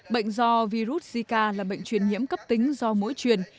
bệnh do virus zika là bệnh truyền nhiễm cấp tính do mũi truyền